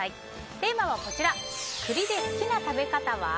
テーマは、栗で好きな食べ方は？